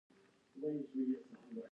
باران د افغانستان د طبعي سیسټم توازن ساتي.